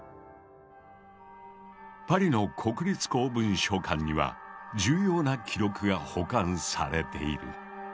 パリの国立公文書館には重要な記録が保管されている。